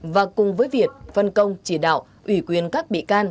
và cùng với việt phân công chỉ đạo ủy quyền các bị can